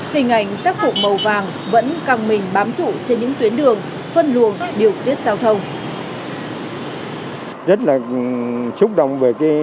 hình ảnh sắc phụ màu vàng vẫn càng mình bám chủ trên những tuyến đường phân luồng điều tiết giao thông